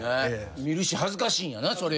見るし恥ずかしいんやな。